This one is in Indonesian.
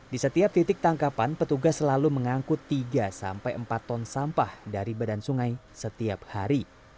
di setiap titik tangkapan petugas selalu mengangkut tiga sampai empat ton sampah dari badan sungai setiap hari